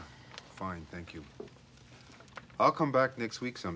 はい。